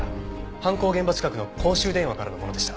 犯行現場近くの公衆電話からのものでした。